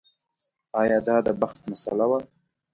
ایا دا د بخت مسئله وه.